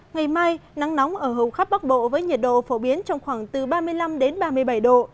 ngày mai nắng nóng ở hầu khắp bắc bộ với nhiệt độ phổ biến trong khoảng từ ba mươi năm đến ba mươi bảy độ